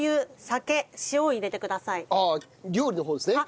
ああ料理の方ですね。